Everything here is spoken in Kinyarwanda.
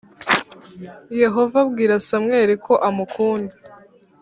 Yehova abwira Samweli ko amukunda.